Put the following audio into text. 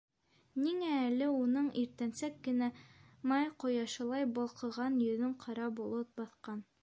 Ниңә әле уның иртәнсәк кенә май ҡояшылай балҡыған йөҙөн ҡара болот баҫҡан?